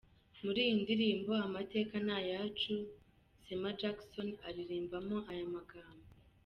Muri iyi ndirimbo 'Amateka ni ayacu' Sema Jackson aririmbamo aya magambo:.